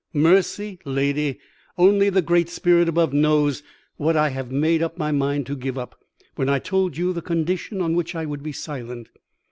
"'Mercy, lady. Only the Great Spirit above knows what I had made up my mind to give up, when I told you the condition on which I would be silent.